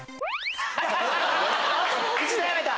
一度やめた。